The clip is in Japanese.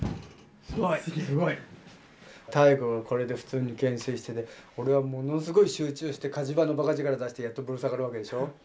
すごい！妙子がこれで普通に懸垂してて俺がものすごい集中して火事場のばか力出してやっとぶら下がるわけでしょ？